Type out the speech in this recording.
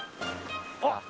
あっ。